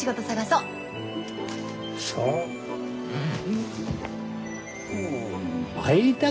うん。